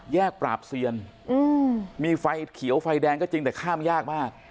ปราบเซียนมีไฟเขียวไฟแดงก็จริงแต่ข้ามยากมาก